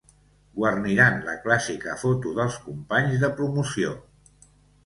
Guarniran la clàssica foto dels companys de promoció.